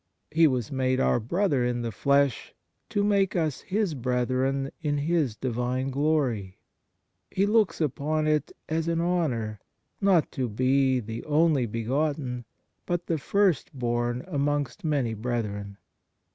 He was made our Brother in the flesh to make us His brethren in His Divine glory. Hemlocks upon it as an honour, not to be the " only begotten," but " the first born amongst many brethren."